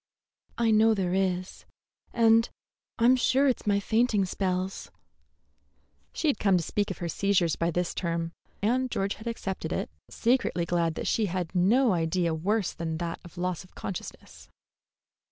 "I know there is; and I'm sure it's my fainting spells." She had come to speak of her seizures by this term, and George had accepted it, secretly glad that she had no idea worse than that of loss of consciousness.